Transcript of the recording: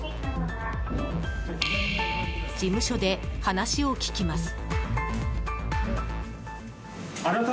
事務所で話を聞きます。